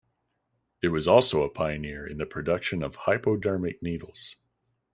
It was also a pioneer in the production of hypodermic needles.